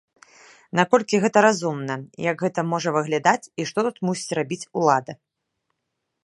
Наколькі гэта разумна, як гэта можа выглядаць і што тут мусіць рабіць улада?